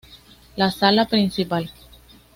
La sala principal.